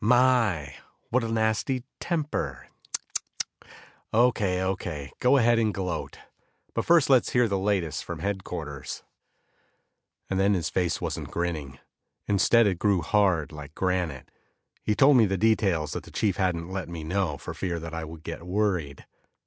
"My, what a nasty temper. Tch, tch, tch!" "Okay, okay, go ahead and gloat. But first, let's hear the latest from headquarters." And then his face wasn't grinning, instead it grew hard like granite. He told me the details that the chief hadn't let me know, for fear that I would get worried.